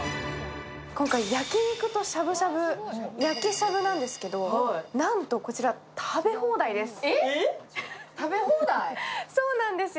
今回、焼き肉としゃぶしゃぶ、焼きしゃぶなんですけどなんとこちら食べ放題なんです。